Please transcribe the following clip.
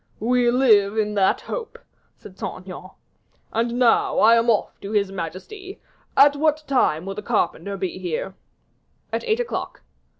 "We will live in hope," said Saint Aignan; "and now I am off to his majesty. At what time will the carpenter be here?" "At eight o'clock."